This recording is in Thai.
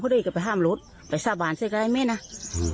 เขาได้ก็ไปห้ามหลุดไปซ่าบานซะก็ได้ไหมน่ะอืม